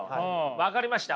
分かりました。